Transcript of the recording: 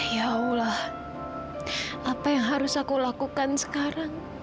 ya allah apa yang harus aku lakukan sekarang